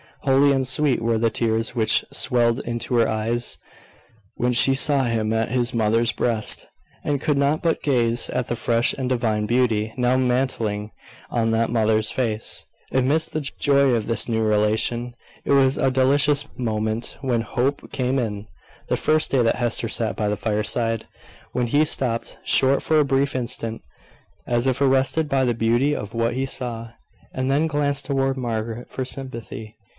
Holy and sweet were the tears which swelled into her eyes when she saw him at his mother's breast, and could not but gaze at the fresh and divine beauty now mantling on that mother's face, amidst the joy of this new relation. It was a delicious moment when Hope came in, the first day that Hester sat by the fireside, when he stopped short for a brief instant, as if arrested by the beauty of what he saw; and then glanced towards Margaret for sympathy.